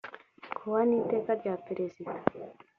kuwa n iteka rya perezida n